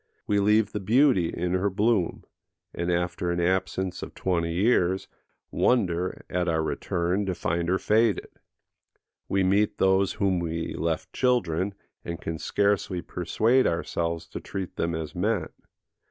We leave the beauty in her bloom, and, after an absence of twenty years, wonder, at our return, to find her faded. We meet those whom we left children, and can scarcely persuade ourselves to treat them as men.